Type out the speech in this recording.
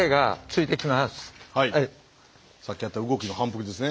さっきやった動きの反復ですね。